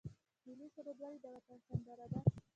ملي سرود ولې د وطن سندره ده؟